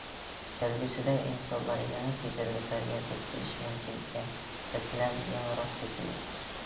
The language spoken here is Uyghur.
كەلگۈسىدە ئىنسانلار يېڭى كېسەللىكلەرگە دۇچ كېلىشى مۇمكىن ئىكەن، مەسىلەن يېڭى راك كېسىلى.